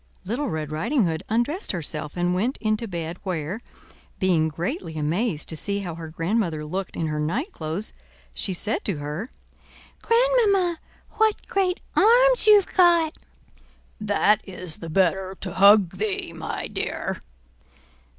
Little Red Riding Hood undressed herself and went into bed, where, being greatly amazed to see how her grandmother looked in her night clothes, she said to her: "Grandmamma, what great arms you've got!" "That is the better to hug thee, my dear."